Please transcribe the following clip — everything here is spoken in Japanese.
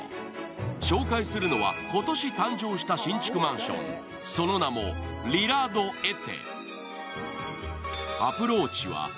紹介するのは、今年誕生した新築マンション、その名もリラドエテ。